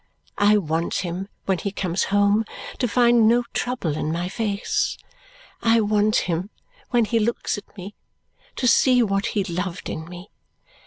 I want him, when he comes home, to find no trouble in my face. I want him, when he looks at me, to see what he loved in me.